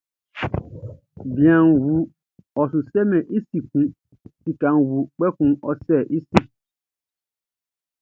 Bianʼn wu, ɔ su sɛmɛn i sin kun; sikaʼn wu, kpɛkun ɔ sa sin.